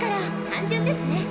単純ですね。